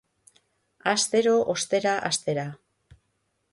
Astero ostera hastera.